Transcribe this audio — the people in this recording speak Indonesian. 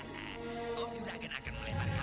morty kamu jangan datang ke sini ya